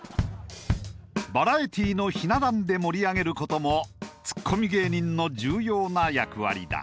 バラエティーのひな壇で盛り上げることもツッコミ芸人の重要な役割だ。